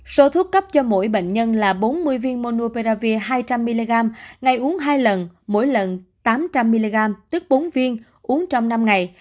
số thuốc cấp cho mỗi bệnh nhân là bốn mươi viên monopearavir hai trăm linh mg ngày uống hai lần mỗi lần tám trăm linh mg tức bốn viên uống trong năm ngày